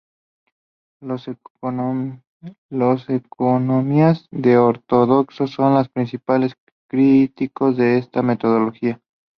Los economías ortodoxos son los principales críticos de esta metodología.